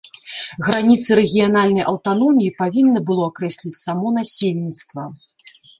Граніцы рэгіянальнай аўтаноміі павінна было акрэсліць само насельніцтва.